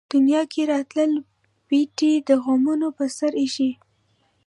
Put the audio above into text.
دنيا کۀ راته پېټے د غمونو پۀ سر اېښے